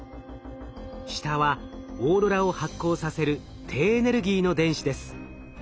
下はオーロラを発光させる低エネルギーの電子です。